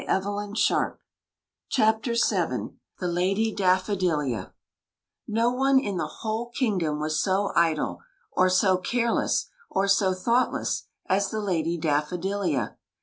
10 The Lady Daffodilia The Lady Daffodilia No one in the whole kingdom was so idle, or so careless, or so thoughtless as the Lady Daffodilia.